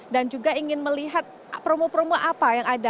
dan juga ingin melihat promo promo apa yang ada